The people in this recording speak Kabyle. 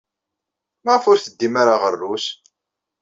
Maɣef ur teddim ara ɣer Rrus?